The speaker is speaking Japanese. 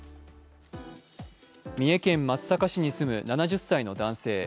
三重県松阪市に住む７０歳の男性。